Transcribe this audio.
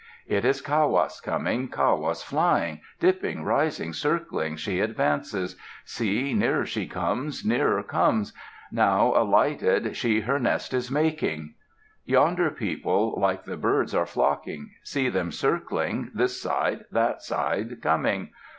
It is Kawas coming, Kawas flying; Dipping, rising, circling, she advances. See! Nearer she comes, nearer comes. Now, alighted, she her nest is making. Yonder people like the birds are flocking; See them circling, this side, that side coming.